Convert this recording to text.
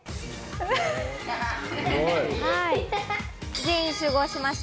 全員集合しました。